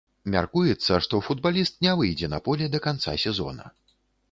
Мяркуецца, што футбаліст не выйдзе на поле да канца сезона.